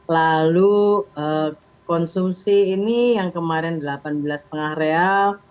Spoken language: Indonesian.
lalu konsumsi ini yang kemarin delapan belas lima real